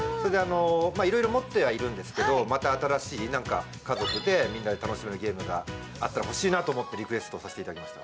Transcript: いろいろ持ってはいるんですけど、また新しい、家族でみんなで楽しめるゲームがあったらいいなと思ってリクエストさせていただきました。